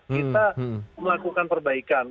kita melakukan perbaikan